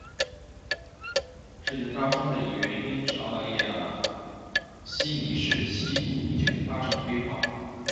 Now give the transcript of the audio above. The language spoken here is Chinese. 事件发生的原因是澳大利亚悉尼市的西部地区的发展规划。